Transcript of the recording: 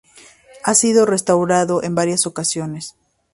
Ha sido restaurado en varias ocasiones.